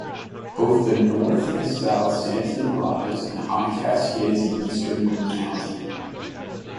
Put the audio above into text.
Both the North and South Santiam rise in high Cascades in eastern Linn County.